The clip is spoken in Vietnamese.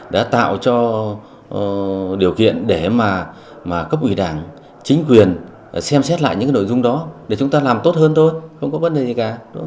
đã tạo cho điều kiện để mà cấp ủy đảng chính quyền xem xét lại những nội dung đó để chúng ta làm tốt hơn thôi không có vấn đề gì cả